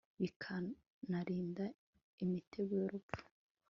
bikanarinda imitego y'urupfu